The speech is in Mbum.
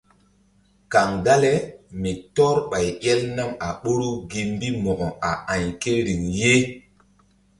Kaŋ dale mi tɔ́r ɓay el nam a ɓoru gi mbi Mo̧ko a a̧y ke riŋ ye.